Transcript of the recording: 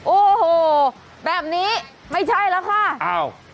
โอ้โหแบบนี้ไม่ใช่แล้วค่ะอ้าว